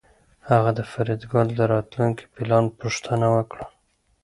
هغه د فریدګل د راتلونکي پلان پوښتنه وکړه